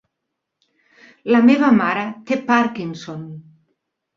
La meva mare té Parkinson.